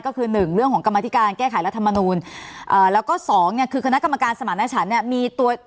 ก็คือหนึ่งเรื่องของกรรมธิการแก้ไขรัฐมนูลเอ่อแล้วก็สองเนี่ยคือคณะกรรมการสมารณชันเนี่ยมีตัว